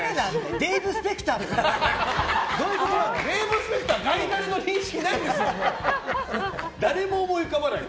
デーブ・スペクターとかか？